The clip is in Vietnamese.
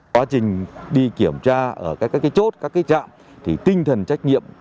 quá trình đi kiểm tra ở các cái chốt các cái trạm thì tinh thần trách nhiệm